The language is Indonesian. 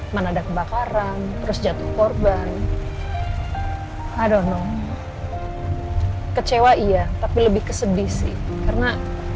mana ada kebakaran terus jatuh korban i don't know kecewa iya tapi lebih kesedih sih karena